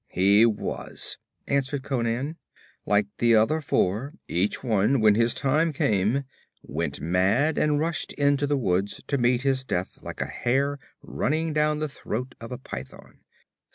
'He was,' answered Conan. 'Like the other four; each one, when his time came, went mad and rushed into the woods to meet his death like a hare running down the throat of a python.